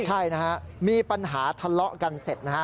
ใช่มีปัญหาทะเลาะกันเสร็จ